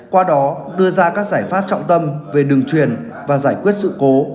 qua đó đưa ra các giải pháp trọng tâm về đường truyền và giải quyết sự cố